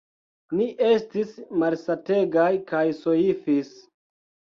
Ni estis malsategaj kaj soifis.